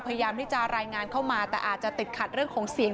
พยายามที่จะรายงานเข้ามาแต่อาจจะติดขัดเรื่องของเสียง